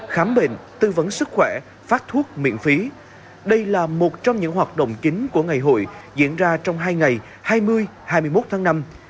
khám bệnh tư vấn sức khỏe phát thuốc miễn phí đây là một trong những hoạt động chính của ngày hội diễn ra trong hai ngày hai mươi hai mươi một tháng năm